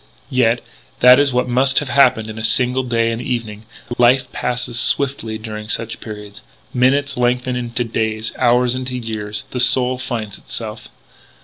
Yet, that is what must have happened in a single day and evening. Life passes swiftly during such periods. Minutes lengthen into days; hours into years. The soul finds itself.